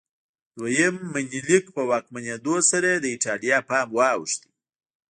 دویم منیلیک په واکمنېدو سره د ایټالیا پام واوښت.